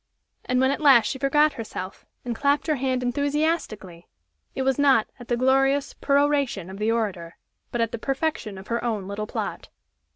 And when at last she forgot herself, and clapped her hand enthusiastically, it was not at the glorious peroration of the orator but at the perfection of her own little plot!